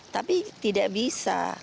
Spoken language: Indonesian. tapi tidak bisa